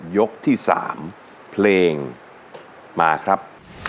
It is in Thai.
ยกที่๓เพลงมาครับ